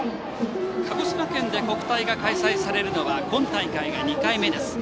鹿児島県で国体が開催されるのは今大会が２回目です。